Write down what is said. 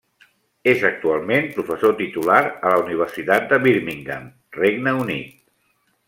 És actualment professor titular a la Universitat de Birmingham, Regne Unit.